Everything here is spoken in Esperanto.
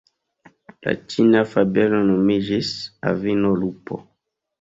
La ĉina fabelo nomiĝis "Avino Lupo".